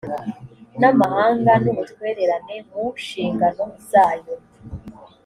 n amahanga n ubutwererane mu nshingano zayo